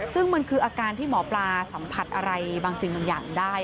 ซึ่งมันคืออาการที่หมอปลาสัมผัสอะไรบางสิ่งบางอย่างได้